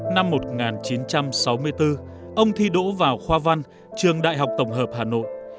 năm một nghìn chín trăm sáu mươi bốn ông thi đỗ vào khoa văn trường đại học tổng hợp hà nội